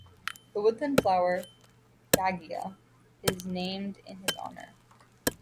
The woodland flower "Gagea" is named in his honour.